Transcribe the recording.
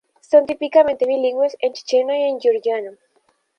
Son típicamente bilingües en checheno y georgiano.